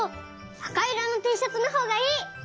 あかいいろのティーシャツのほうがいい！